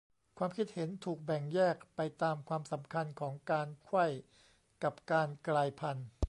ความคิดเห็นถูกแบ่งแยกไปตามความสำคัญของการไขว้กับการกลายพันธุ์